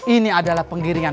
ini adalah penggiringan